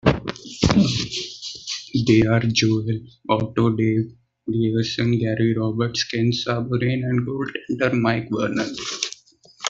They are, Joel Otto, Dave Reierson, Gary Roberts, Ken Sabourin and goaltender Mike Vernon.